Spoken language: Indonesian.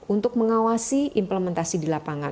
untuk mengawasi implementasi